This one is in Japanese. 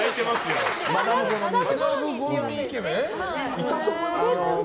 いたと思いますけど。